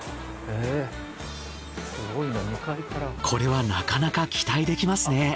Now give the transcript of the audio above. これはなかなか期待できますね。